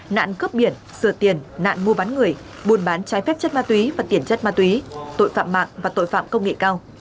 nạn cướp biển sửa tiền nạn mua bán người buôn bán trái phép chất ma túy và tiền chất ma túy tội phạm mạng và tội phạm công nghệ cao